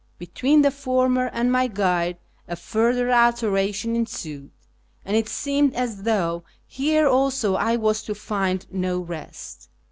Between the former and my guide a further altercation ensued, and it seemed as though here also I was to find no rest.